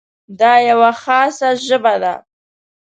دا یوه خاصه ژبه ده.